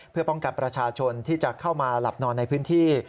เพื่อป้องกันประชาชนที่จะเข้ามาหลับนอนในพื้นที่